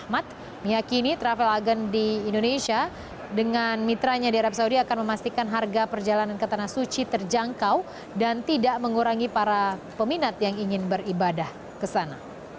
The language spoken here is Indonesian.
pemerintah uni emera tarab menerima pendapatan dari ppn pada tahun ini bisa menerapkan ppn paling lambat tahun dua ribu sembilan belas